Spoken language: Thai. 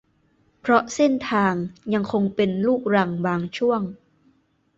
เพราะเส้นทางยังคงเป็นลูกรังบางช่วง